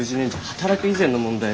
働く以前の問題だ。